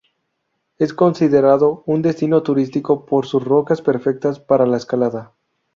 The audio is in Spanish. Es considerado un destino turístico por sus rocas perfectas para la escalada.